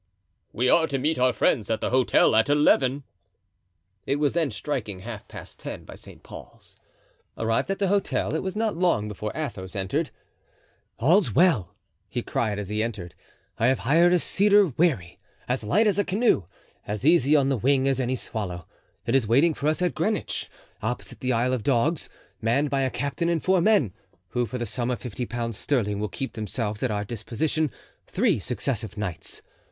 "We are to meet our friends at the hotel at eleven." It was then striking half past ten by St. Paul's. Arrived at the hotel it was not long before Athos entered. "All's well," he cried, as he entered; "I have hired a cedar wherry, as light as a canoe, as easy on the wing as any swallow. It is waiting for us at Greenwich, opposite the Isle of Dogs, manned by a captain and four men, who for the sum of fifty pounds sterling will keep themselves at our disposition three successive nights.